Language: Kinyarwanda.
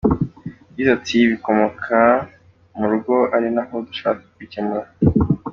Yagize ati “Bikomoka mu Rugo ari naho dushaka kubikemura.